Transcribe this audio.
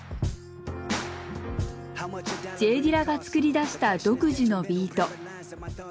Ｊ・ディラが作り出した独自のビート。